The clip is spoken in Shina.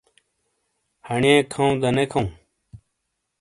ہانیئے کَھوں دا نے کھَوں؟